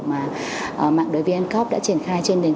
mà mạng đối với ancop đã triển khai